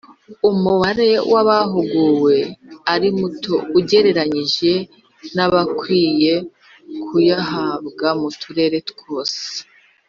umubare w abahuguwe ari muto ugereranyije n abakwiye kuyahabwa mu turere twose